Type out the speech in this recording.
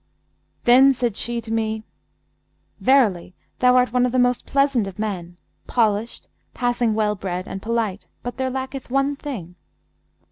Then said she to me, 'Verily, thou art one of the most pleasant of men, polished, passing well bred and polite; but there lacketh one thing.'